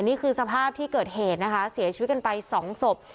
นี่คือสภาพที่เกิดเหตุนะคะเสียชีวิตกันไปสองศพ